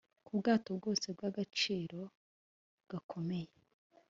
ku bwato bwose bw’agaciro gakomeye.